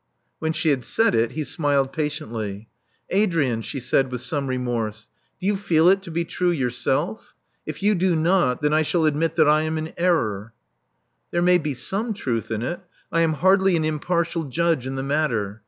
When she had said it, he smiled patiently. Adrian," she said, with some remorse: do you 384 Love Among the Artists feel it to be true yourself? If you do not, then I shall admit that I am in error." There may be some truth in it— I am hardly an impartial judge in the matter.